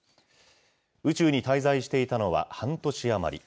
宇宙に滞在していたのは半年余り。